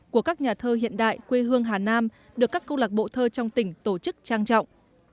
của các nhà thơ hiện đại quê hương hà nam được các câu lạc bộ thơ trong tỉnh tổ chức trang trọng